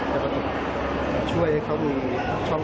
เพราะว่าโอกาสนี้จะช่วยเพิ่ม